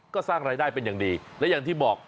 ก็สร้างรายได้เป็นอย่างดีและอย่างที่บอก